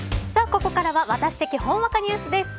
ここからはワタシ的ほんわかニュースです。